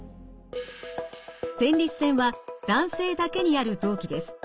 前立腺は男性だけにある臓器です。